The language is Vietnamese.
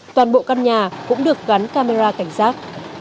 toàn bộ căn nhà cũng được gắn camera cảnh giác